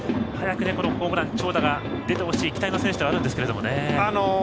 早くホームランや長打が出てほしい期待の選手ですけどね。